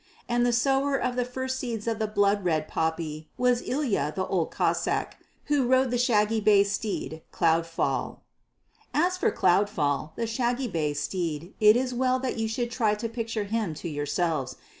And the sower of the first seeds of the blood red poppy was Ilya the Old Cossáck, who rode the shaggy bay steed Cloudfall. As for Cloudfall, the shaggy bay steed, it is well that you should try to picture him to yourselves.